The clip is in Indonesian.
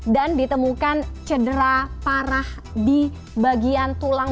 dan ditemukan cedera parah di bagian tulang